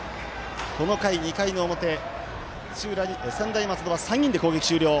この２回、２回の表、専大松戸は３人で攻撃終了。